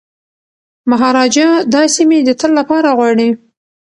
مهاراجا دا سیمي د تل لپاره غواړي.